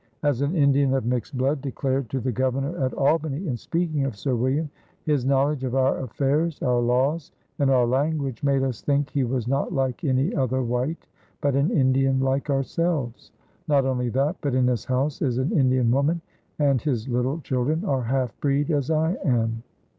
As an Indian of mixed blood declared to the Governor at Albany in speaking of Sir William: "His knowledge of our affairs, our laws, and our language made us think he was not like any other white but an Indian like ourselves. Not only that; but in his house is an Indian woman, and his little children are half breed as I am."